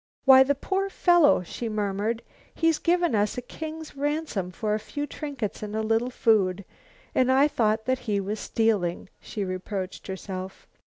"Why, the poor fellow," she murmured. "He's given us a king's ransom for a few trinkets and a little food! And I thought he was stealing," she reproached herself.